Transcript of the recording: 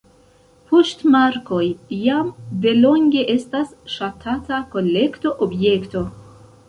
Poŝtmarkoj jam delonge estas ŝatata kolekto-objekto.